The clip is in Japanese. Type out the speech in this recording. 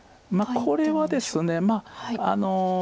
これはですねまあ。